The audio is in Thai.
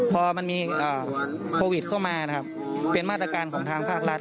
พอมันมีโควิดเข้ามานะครับเป็นมาตรการของทางภาครัฐ